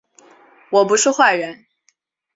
我不是坏人